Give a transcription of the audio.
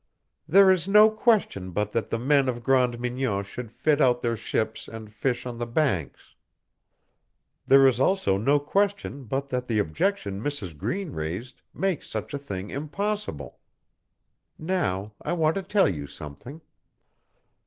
"There is no question but that the men of Grande Mignon should fit out their ships and fish on the Banks. There is also no question but that the objection Mrs. Green raised makes such a thing impossible. Now, I want to tell you something.